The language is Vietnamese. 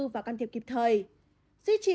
và can thiệp kịp thời duy trì